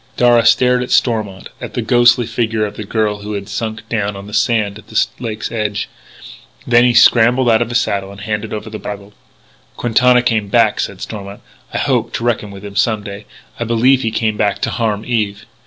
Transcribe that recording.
Darragh stared at Stormont, at the ghostly figure of the girl who had sunk down on the sand at the lake's edge. Then he scrambled out of the saddle and handed over the bridle. "Quintana came back," said Stormont. "I hope to reckon with him some day.... I believe he came back to harm Eve....